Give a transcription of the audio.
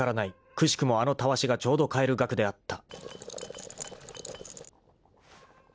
［くしくもあのたわしがちょうど買える額であった］